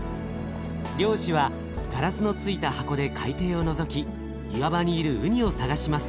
漁師はガラスのついた箱で海底をのぞき岩場にいるうにを探します。